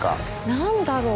何だろう？